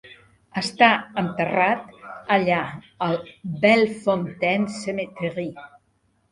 Està enterrat allà al Bellefontaine Cemetery.